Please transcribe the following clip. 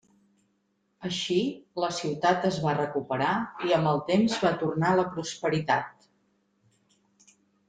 Així, la ciutat es va recuperar i amb el temps va tornar la prosperitat.